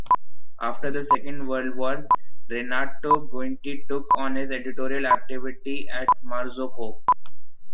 After the Second World War, Renato Giunti took on his editorial activity at Marzocco.